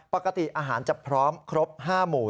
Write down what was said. ปกติอาหารจะพร้อมครบ๕หมู